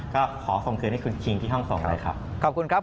ก็ขอส่งเผื่อนี่คุณคิงที่ห้องส่งให้ครับ